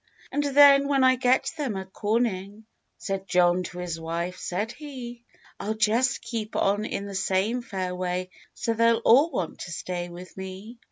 "And then when I get them a cornin'," Said John to his wife, said he— "I'll just keep on in the same fair way So they'll all want to stay with me."